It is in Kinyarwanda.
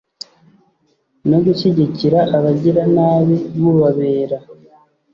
no gushyigikira abagiranabi mubabera